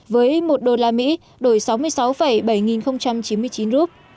với một đô la mỹ đổi sáu mươi sáu bảy nghìn chín mươi chín rút